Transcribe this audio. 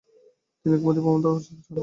তিনি কুমুদি প্রবন্ধ প্রকাশ করেন।